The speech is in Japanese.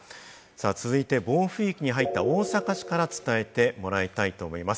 続いて暴風域に入った大阪市から伝えてもらいたいと思います。